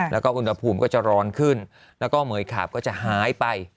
แล้วก็อุณหภูมิก็จะร้อนขึ้นแล้วก็เหมือยขาบก็จะหายไป